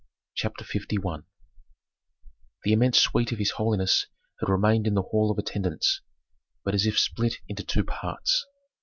CHAPTER LI The immense suite of his holiness had remained in the hall of attendance, but as if split into two parts.